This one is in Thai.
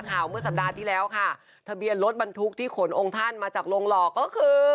เมื่อสัปดาห์ที่แล้วค่ะทะเบียนรถบรรทุกที่ขนองค์ท่านมาจากโรงหล่อก็คือ